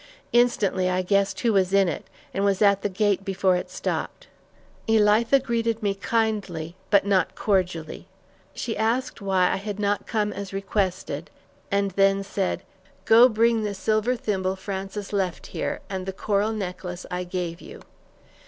Instantly, I guessed who was in it, and was at the gate before it stopped. Elitha greeted me kindly, but not cordially. She asked why I had not come as requested, and then said, "Go, bring the silver thimble Frances left here, and the coral necklace I gave you."